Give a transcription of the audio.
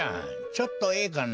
ちょっとええかの？